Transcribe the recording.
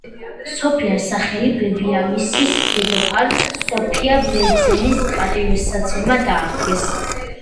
სოფიას სახელი ბებიამისის, დედოფალ სოფია ბერძენის პატივსაცემად დაარქვეს.